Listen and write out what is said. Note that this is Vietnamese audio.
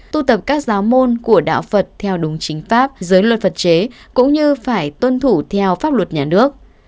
tu tập các giáo môn của đạo phật theo đúng chính pháp giới luật phật chế cũng như phải tuân thủ theo pháp luật nhà nước